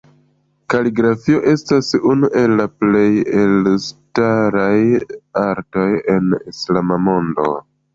Kaligrafio estas unu el la plej elstaraj artoj en islama mondo.